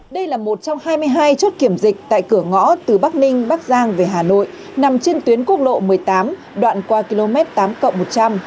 đây là một trong hai mươi hai chốt kiểm dịch tại cửa ngõ từ bắc ninh bắc giang về hà nội nằm trên tuyến quốc lộ một mươi tám đoạn qua km tám cộng một trăm linh